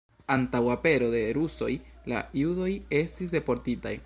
Antaŭ apero de rusoj la judoj estis deportitaj.